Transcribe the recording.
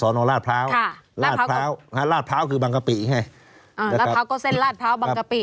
สอนอลาดพร้าวลาดพร้าวลาดพร้าวคือบังกะปิใช่ไหมลาดพร้าวก็เส้นลาดพร้าวบังกะปิ